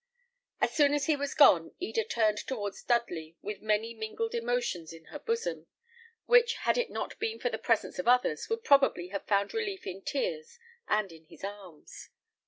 As soon as he was gone, Eda turned towards Dudley, with many mingled emotions in her bosom, which, had it not been for the presence of others, would probably have found relief in tears and in his arms.